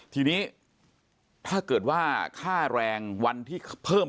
ทีนี้ถ้าเกิดว่าค่าแรงวันที่เพิ่ม